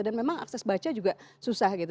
dan memang akses baca juga susah gitu